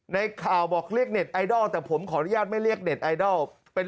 ในข่าวบอกเรียกเน็ตไอดอลแต่ผมขออนุญาตไม่เรียกเน็ตไอดอลเป็น